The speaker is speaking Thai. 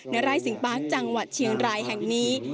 ไร่สิงปาร์คจังหวัดเชียงรายแห่งนี้